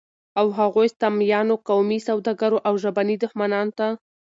او هغو ستمیانو، قومي سوداګرو او ژبني دښمنانو ته